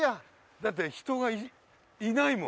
だって人がいないもん。